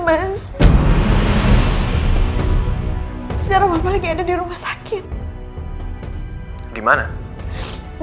maaf saya harus pergi ada urusan penting